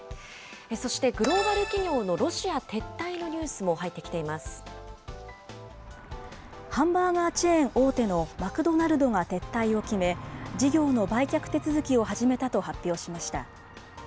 そしてグローバル企業のロシア撤退のニュースも入ってきていハンバーガーチェーン大手のマクドナルドが撤退を決め、事業の売却手続きを始めたと発表しました。